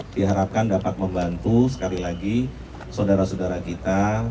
diharapkan dapat membantu sekali lagi saudara saudara kita